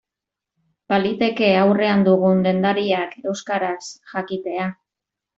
Baliteke aurrean dugun dendariak euskaraz jakitea.